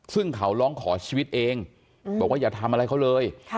ซึ่งเขาร้องขอชีวิตเองบอกว่าอย่าทำอะไรเขาเลย